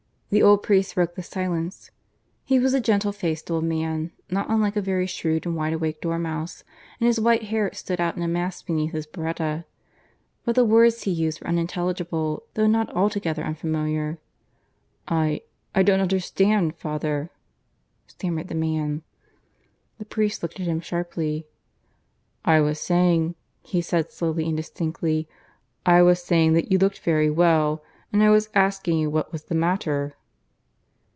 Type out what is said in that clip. The old priest broke the silence. He was a gentle faced old man, not unlike a very shrewd and wide awake dormouse; and his white hair stood out in a mass beneath his biretta. But the words he used were unintelligible, though not altogether unfamiliar. "I ... I don't understand, father," stammered the man. The priest looked at him sharply. "I was saying," he said slowly and distinctly, "I was saying that you looked very well, and I was asking you what was the matter."